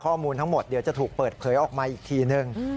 ข้อมูลทั้งหมดเดี๋ยวจะถูกเปิดเผยออกมาอีกทีนึง